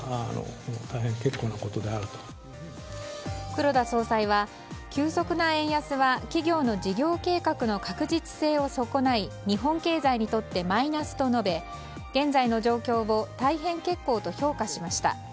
黒田総裁は急速な円安は企業の事業計画の確実性を損ない日本経済にとってマイナスと述べ現在の状況を大変結構と評価しました。